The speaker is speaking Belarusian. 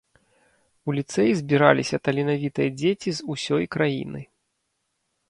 У ліцэй збіраліся таленавітыя дзеці з усёй краіны.